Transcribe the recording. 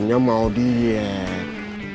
makanya mau diet